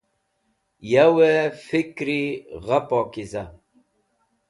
Yawẽ fikri gha pokiza.